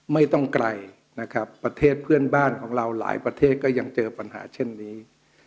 ไม่ต้องไกลนะครับประเทศเพื่อนบ้านของเราหลายประเทศก็ยังเจอปัญหาเช่นนี้